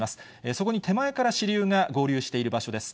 そこに手前から支流が合流している場所です。